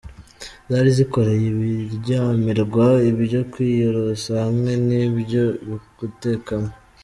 Zari zikoreye ibiryamirwa, ibyo kwiyorosa hamwe n’ibyo gutekamo.